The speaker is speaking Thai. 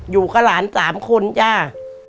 อยู่กับหลาน๓คนจ้า